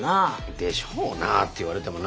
でしょうなって言われてもな。